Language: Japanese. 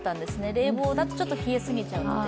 冷房だとちょっと冷え過ぎちゃうので。